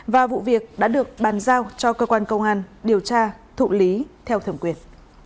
và vụ việc đã được bàn giao cho cơ quan công an điều tra thụ lý theo thẩm quyền